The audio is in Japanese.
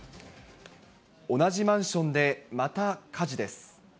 同じマンションでまた火事です。